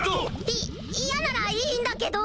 い嫌ならいいんだけど。